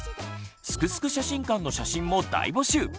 「すくすく写真館」の写真も大募集！